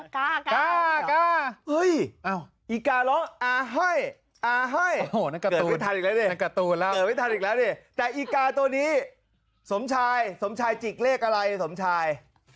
เกิดไม่ทันอีกแล้วสำชัยสมชัยติดเลขอะไรสมชาย